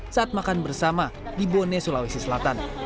saat makan bersama di bone sulawesi selatan